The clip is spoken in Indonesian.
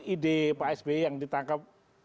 ide pak s b yang ditangkap